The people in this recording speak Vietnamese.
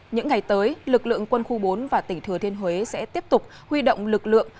những ngày tới lực lượng quân khu bốn và tỉnh thừa thiên huế sẽ tiếp tục huy động lực lượng